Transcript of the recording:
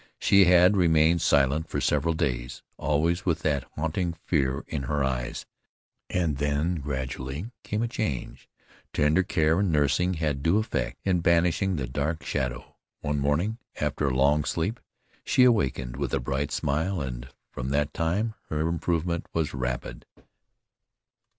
She had remained silent for several days, always with that haunting fear in her eyes, and then gradually came a change. Tender care and nursing had due effect in banishing the dark shadow. One morning after a long sleep she awakened with a bright smile, and from that time her improvement was rapid.